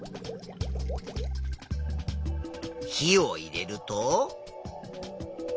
火を入れると。